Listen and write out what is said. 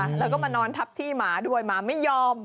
แล้วก็มานอนทับที่หมาด้วยหมาไม่ยอม